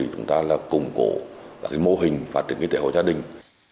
các hội gia đình